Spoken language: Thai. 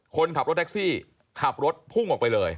คนขับรถแท็กซี่ขับรถพุ่งออกไปเลย